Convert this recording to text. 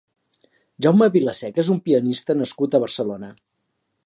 Jaume Vilaseca és un pianista nascut a Barcelona.